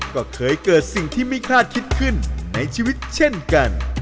ก็เคยเกิดสิ่งที่ไม่คาดคิดขึ้นในชีวิตเช่นกัน